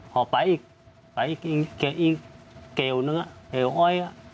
พอไปอีกไปอีกอีกเกี่ยวนึงเหี่ยวอ้อย